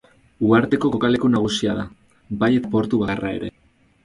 Uharteko kokaleku nagusia da, bai eta portu bakarra ere.